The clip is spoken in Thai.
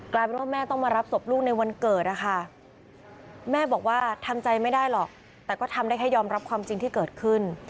กลายเป็นว่าแม่ต้องมารับศพลูกในวันเกิดนะคะแม่บอกว่าทำใจไม่ได้หรอกแต่ก็ทำได้แค่ยอมรับความจริงที่เกิดขึ้น